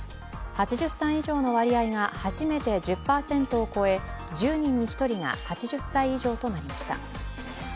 ８０歳以上の割合が初めて１０％を超え１０人に１人が８０歳以上となりました。